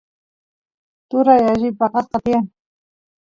turay alli paqasqa tiyan